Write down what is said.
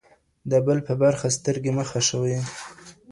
د بل په برخه سترګې مه خښوئ.